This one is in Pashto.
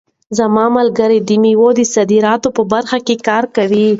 زما ملګری د مېوو د صادراتو په برخه کې کار کوي.